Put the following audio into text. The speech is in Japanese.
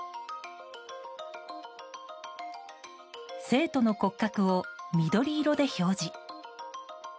生徒の骨格を緑色で表示。